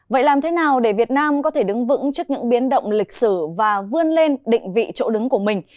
vậy làm thế nào để việt nam có thể đứng vững trước những biến động lịch sử và vươn lên định vị chỗ đứng của mình